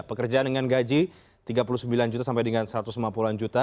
pekerjaan dengan gaji tiga puluh sembilan juta sampai dengan satu ratus lima puluh an juta